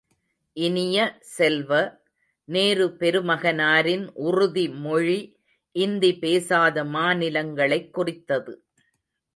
இனிய செல்வ, நேரு பெருமகனாரின் உறுதிமொழி இந்தி பேசாத மாநிலங்களைக் குறித்தது.